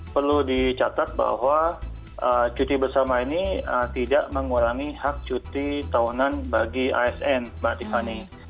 perlu dicatat bahwa cuti bersama ini tidak mengurangi hak cuti tahunan bagi asn mbak tiffany